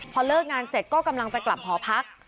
พอเลิกงานเสร็จก็กำลังจะกลับหอพัก